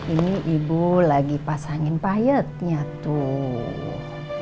ini ibu lagi pasangin payetnya tuh